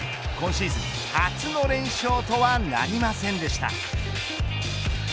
今シーズン、初の連勝とはなりませんでした。